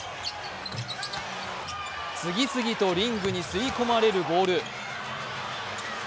次々とリングに吸い込まれるボール。